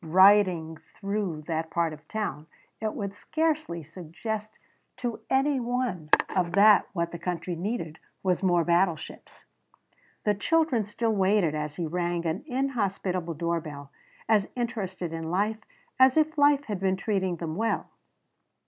Riding through that part of town it would scarcely suggest itself to any one that what the country needed was more battleships. The children still waited as he rang an inhospitable doorbell, as interested in life as if life had been treating them well.